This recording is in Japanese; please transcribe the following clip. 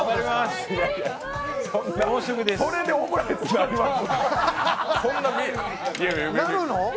それでオムライスなります！？